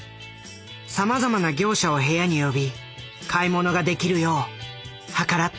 さまざまな業者を部屋に呼び買い物ができるよう計らった。